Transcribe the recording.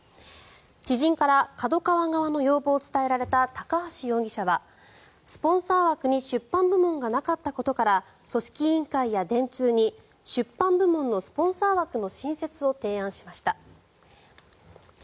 知人からＫＡＤＯＫＡＷＡ側の要望を伝えられた高橋容疑者はスポンサー枠に出版部門がなかったことから組織委員会や電通に出版部門のスポンサー枠の新設を提案しました。